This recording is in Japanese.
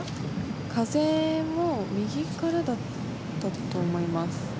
風も右からだったと思います。